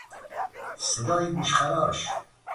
صدای گوشخراش